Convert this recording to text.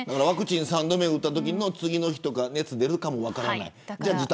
ワクチン３度目打ったときの次の日に熱出るかも分からない。